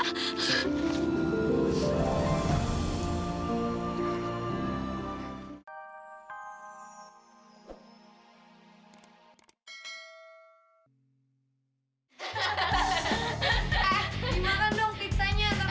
eh dimakan dong pizzanya